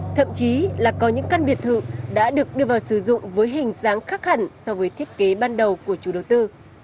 thậm chí là có những căn biệt thự đã được đưa vào sử dụng với hình dáng khác hẳn so với thiết kế ban đầu của chủ đầu tư